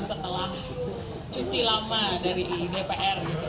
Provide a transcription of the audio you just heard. setelah cuti lama dari dpr